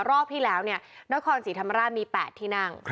รอบที่แล้วเนี่ยนครศรีธรรมราชมี๘ที่นั่ง